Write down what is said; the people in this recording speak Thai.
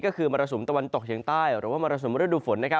ก็คือมรสุมตะวันตกเฉียงใต้หรือว่ามรสุมฤดูฝน